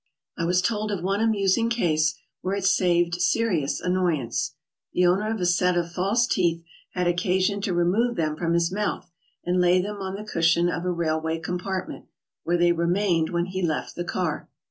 I was told of one amusing case where it saved serious annoyance. The owner of a set of false teeth had occasion to remove them from his mouth and lay them on the cushion of a railway compartment, where they remained when he left the car.